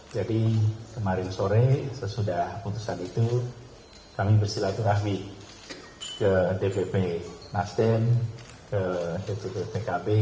jadi kemarin sore sesudah putusan itu kami bersilaturahmi ke dpp nasden ke dpp pkb